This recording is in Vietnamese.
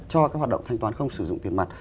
cho các hoạt động thanh toán không sử dụng tiền mặt